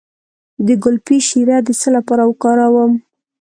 د ګلپي شیره د څه لپاره وکاروم؟